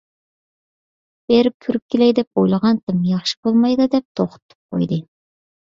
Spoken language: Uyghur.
بېرىپ كۆرۈپ كېلەي دەپ ئويلىغانتىم. ياخشى بولمايدۇ، دەپ توختىتىپ قويدى.